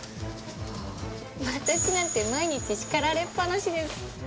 私なんて毎日叱られっぱなしです。